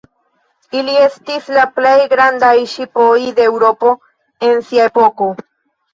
Ili estis la plej grandaj ŝipoj de Eŭropo en sia epoko.